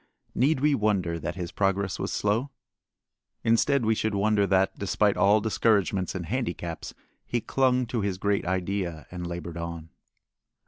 Need we wonder that his progress was slow? Instead we should wonder that, despite all discouragements and handicaps, he clung to his great idea and labored on.